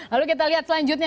lalu kita lihat selanjutnya